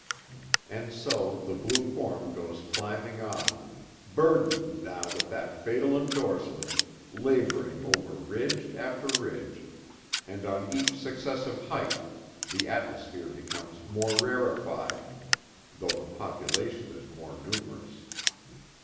And so the blue form goes climbing on, burdened now with that fatal endorsement, labouring over ridge after ridge, and on each successive height the atmosphere becomes more rarefied (though the population is more numerous).